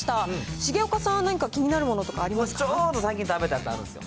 重岡さんは何か気になるものとかちょうど最近食べたものあるんですよ。